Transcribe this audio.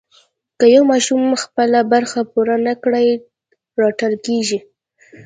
که یو ماشوم خپله برخه پوره نه کړي رټل کېږي.